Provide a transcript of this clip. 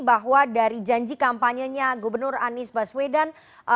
bahwa dari janji kampanyenya gubernur anies baswedan